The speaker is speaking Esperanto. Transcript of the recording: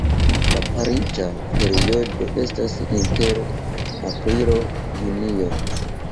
La pariĝa periodo estas inter aprilo-junio.